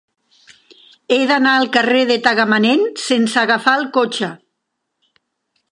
He d'anar al carrer de Tagamanent sense agafar el cotxe.